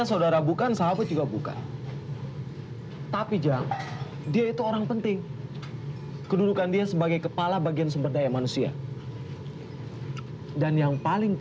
apa itu menceritakan